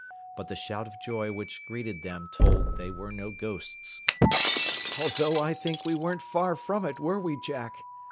But the shout of joy which greeted them told they were no ghosts. "Although I think we weren't far from it, were we, Jack?"